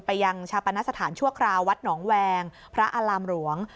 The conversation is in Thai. ยังชาปนสถานชั่วคราววัดหนองแวงพระอารามหลวง